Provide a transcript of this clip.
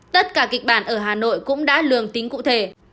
tất cả kịch bản ở hà nội cũng đã lường tính cụ thể